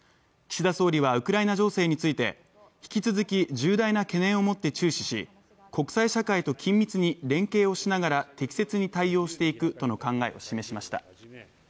岸田総理はウクライナ情勢について引き続き重大な懸念を持って注視し国際社会と緊密に連携をしながら適切に対応していくとの考えを示しました。